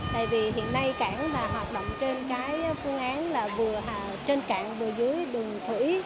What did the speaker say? tại vì hiện nay cảng là hoạt động trên cái phương án là vừa trên cảng vừa dưới đường thủy